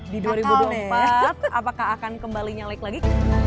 di dua ribu dua puluh empat apakah akan kembali nyalek lagi